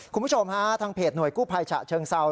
คุณผู้ชมฮะทางเพจหน่วยกู้ภัยฉะเชิงเซา